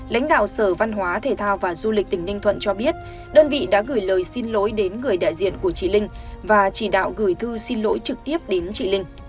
lãnh đạo sở văn hóa thể thao và du lịch tỉnh ninh thuận cho biết đơn vị đã gửi lời xin lỗi đến người đại diện của chị linh và chỉ đạo gửi thư xin lỗi trực tiếp đến chị linh